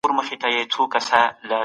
او که بد وي نو بد.